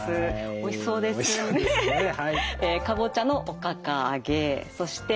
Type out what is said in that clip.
おいしそうですねはい。